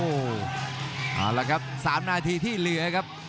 เอาละครับ๓นาทีที่เหลือครับ